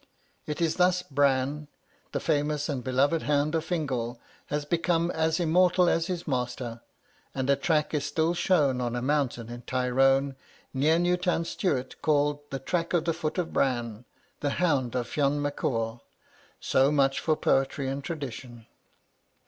It is thus Bran, the famous and beloved hound of Fingal, has become as immortal as his master; and a track is still shown on a mountain in Tyrone, near New Town Stuart, called 'The Track of the Foot of Bran, the Hound of Fionne Mac Cumhall.' So much for poetry and tradition.